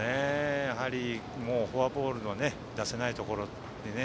やはり、フォアボールはもう出せないところでね。